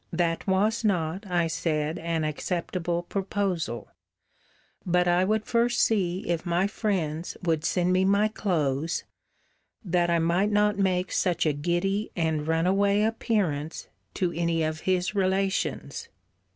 That was not, I said, an acceptable proposal: but I would first see if my friends would send me my clothes, that I might not make such a giddy and runaway appearance to any of his relations.